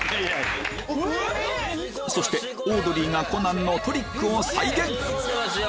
そしてオードリーが『コナン』のトリックを再現！